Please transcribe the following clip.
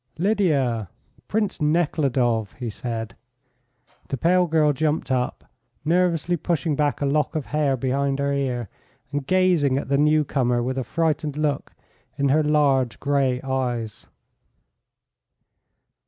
"Lydia, Prince Nekhludoff!" he said. The pale girl jumped up, nervously pushing back a lock of hair behind her ear, and gazing at the newcomer with a frightened look in her large, grey eyes.